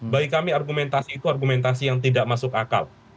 bagi kami argumentasi itu argumentasi yang tidak masuk akal